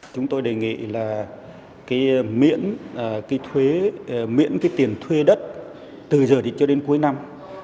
chúng tôi đề nghị là miễn tiền thuê đất từ giờ đến cuối năm